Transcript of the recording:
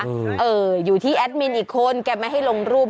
เอออยู่ที่แอดมินอีกคนแกไม่ให้ลงรูป